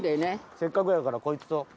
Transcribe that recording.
せっかくやからこいつと。